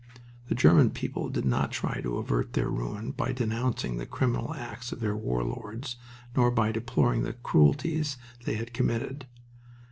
The German people did not try to avert their ruin by denouncing the criminal acts of their war lords nor by deploring the cruelties they had committed.